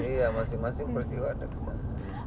iya masing masing peristiwa ada besar